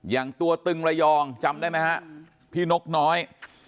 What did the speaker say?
อย่างตัวตึงระยองจำได้ไหมฮะพี่นกน้อย